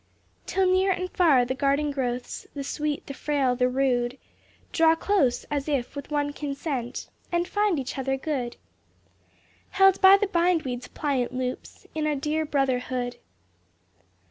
Till near and far the garden growths. The sweet, the frail, the rude, Draw close, as if with one consent, And find each other good, Held by the bind weed's pliant loops, In a dear brotherhood.